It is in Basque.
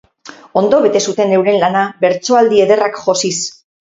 Ondo bete zuten euren lana bertsoaldi ederrak josiz.